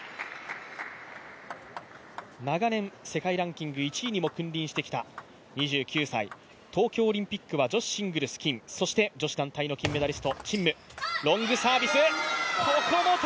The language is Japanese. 長年、世界ランキング１位にも君臨してきた２９歳、東京オリンピックは女子シングルス金、女子団体の金メダリスト、陳夢。